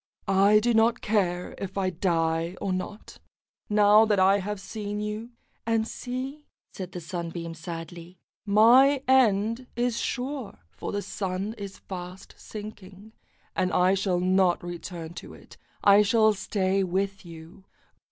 "I do not care if I die or not, now that I have seen you; and see," said the Sunbeam sadly, "my end is sure, for the Sun is fast sinking, and I shall not return to it, I shall stay with you."